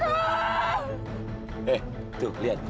aku disini tristan tolongin aku